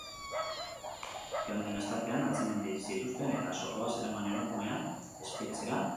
Joan zen asteartean atzeman zituzten, eta zorroa zeraman emakumea espetxera bidali dute.